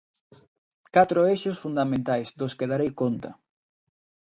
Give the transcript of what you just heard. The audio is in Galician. Catro eixos fundamentais dos que darei conta.